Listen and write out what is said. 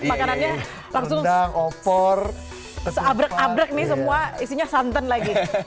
makanannya langsung opor seabrek abrek nih semua isinya santan lagi